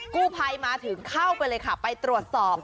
กู้ภัยมาถึงเข้าไปเลยค่ะไปตรวจสอบ